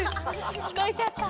きこえちゃった。